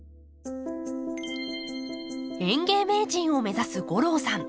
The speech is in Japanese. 園芸名人を目指す吾郎さん。